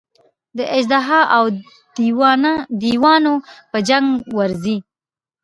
د اژدها او دېوانو په جنګ ورځي.